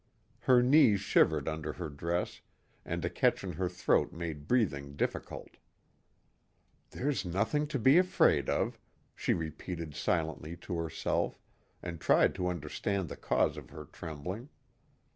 Her knees shivered under her dress and a catch in her throat made breathing difficult. "There's nothing to be afraid of," she repeated silently to herself, and tried to understand the cause of her trembling.